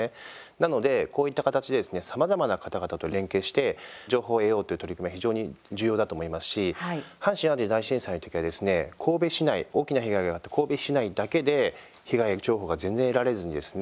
なので、こういった形でですねさまざまな方々と連携して情報を得ようという取り組みが非常に重要だと思いますし阪神・淡路大震災の時はですね神戸市内、大きな被害があった神戸市内だけで被害情報が全然得られずにですね